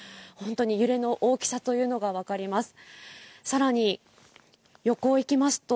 本当に揺れの大きさというのがわかります。